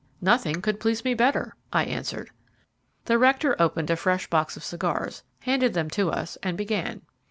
"Nothing could please me better," I answered. The rector opened a fresh box of cigars, handed them to us, and began.